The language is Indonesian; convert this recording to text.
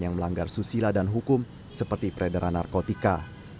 yang melanggar susila dan hukum seperti peredaran narkotika